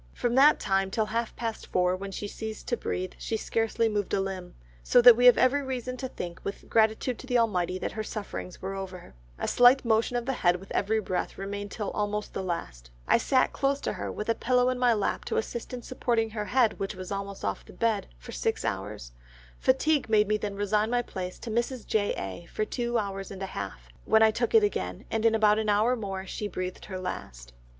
From that time till half past four when she ceased to breathe, she scarcely moved a limb, so that we have every reason to think with gratitude to the Almighty, that her sufferings were over. A slight motion of the head with every breath remained till almost the last. I sat close to her with a pillow in my lap to assist in supporting her head which was almost off the bed, for six hours; fatigue made me then resign my place to Mrs. J. A. for two hours and a half, when I took it again, and in about an hour more she breathed her last.